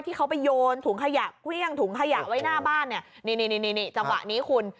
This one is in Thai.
ที่เขาไปโยนถุงขยะเกลี้ยงถุงขยะไว้หน้าบ้านเนี่ยนี่จังหวะนี้คุณ